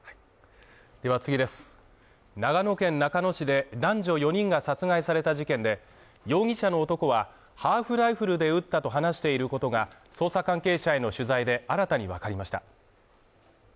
長野県中野市で男女４人が殺害された事件で、容疑者の男は、ハーフライフルで撃ったと話していることが捜査関係者への取材で新たにわかりました。